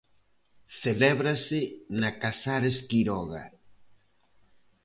Celébrase na Casares Quiroga.